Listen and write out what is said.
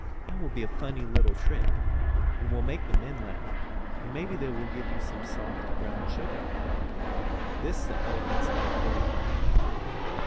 That will be a funny little trick, and will make the men laugh, and maybe they will give you some soft, brown sugar." This the elephants like very much.